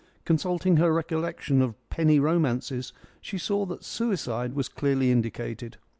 Consulting her recollection of penny romances she saw that suicide was clearly indicated.